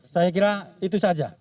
saya kira itu saja